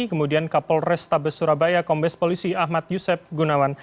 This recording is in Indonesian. kemudian kapol restabes surabaya kombes polisi ahmad yusef gunawan